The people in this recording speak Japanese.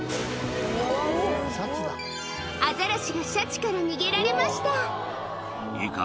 アザラシがシャチから逃げられまいいか？